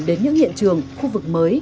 đến những hiện trường khu vực mới